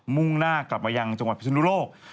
มุ่งหน้ากลับมายังจังหวัดพิศนุโลก